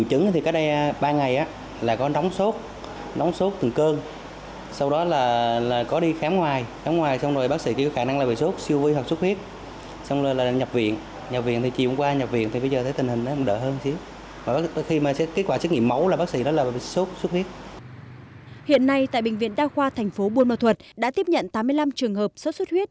hiện nay tại bệnh viện đa khoa thành phố buôn mà thuật đã tiếp nhận tám mươi năm trường hợp sốt xuất huyết